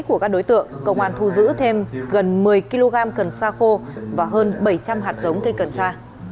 của các đối tượng công an thu giữ thêm gần một mươi kg cần sa khô và hơn bảy trăm linh hạt giống cây cần sa